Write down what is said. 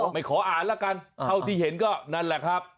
ไม่ขออ่านแล้วกันเท่าที่เห็นก็นั่นแหละครับ